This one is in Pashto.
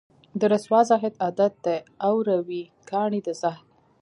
د رســــــوا زاهـــــد عـــــــادت دی اوروي کاڼي د زهد